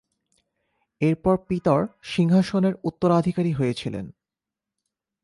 এরপর পিতর সিংহাসনের উত্তরাধিকারী হয়েছিলেন।